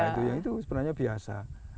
itu sebenarnya biasa